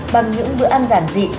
bằng những bữa ăn giản dị